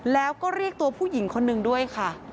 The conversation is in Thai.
แล้วก็เรียกตัวผู้หญิงคนนึงด้วยค่ะ